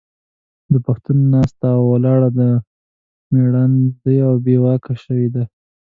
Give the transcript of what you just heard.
د پښتون ناسته او ولاړه مړژواندې او بې واکه شوې ده.